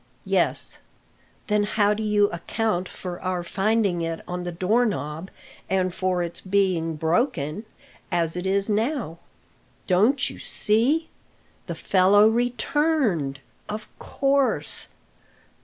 "Yes." "Then how do you account for our finding it on the door knob, and for its being broken as it is now?" "Don't you see? The fellow returned, of course."